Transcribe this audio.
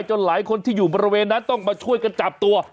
หลายคนที่อยู่บริเวณนั้นต้องมาช่วยกันจับตัว